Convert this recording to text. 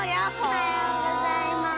おはようございます。